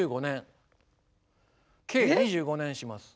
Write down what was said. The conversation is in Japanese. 計２５年します。